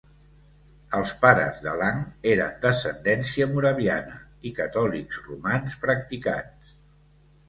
Els pares de Lang eren d'ascendència moraviana i catòlics romans practicants.